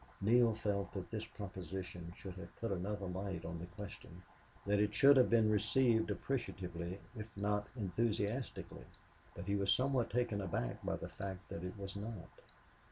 Neale felt that this proposition should have put another light on the question, that it should have been received appreciatively if not enthusiastically. But he was somewhat taken aback by the fact that it was not.